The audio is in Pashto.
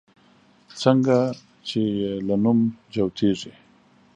څنگه چې يې له نوم جوتېږي